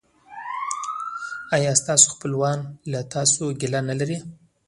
ایا ستاسو خپلوان له تاسو ګیله نلري؟